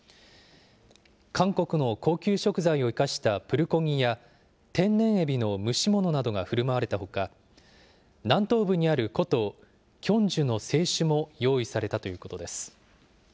韓国の高級食材を生かしたプルコギや天然エビの蒸し物などがふるまわれたほか、南東部にある古都、キョンジュの清酒も用意されたということです。